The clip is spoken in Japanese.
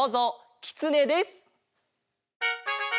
キツネです。